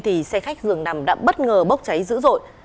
thì xe khách dường nằm đã bất ngờ bốc cháy dữ dội